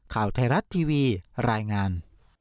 ข่าวไทยรัฐทีวีรายงาน